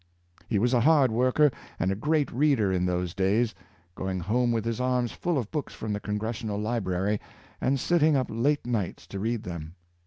He was a hard worker and a great reader in those days, going home with his arms full of books from the Congressional Library and sitting up late nights to read them.